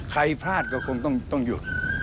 ใครพลาดก็คงต้องหยุด